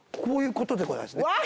こういうことでございますね。